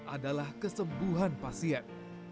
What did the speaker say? adalah kesembuhan pasien